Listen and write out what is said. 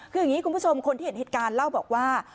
คืออย่างนี้คุณผู้ชมคนที่เห็นเหตุการณ์เล่าบอกว่า